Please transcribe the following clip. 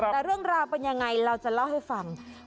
แต่เรื่องราวเป็นยังไงเราจะเล่าให้ฟัง